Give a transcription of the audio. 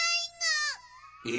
え？